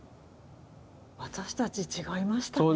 私たち違いましたねえ。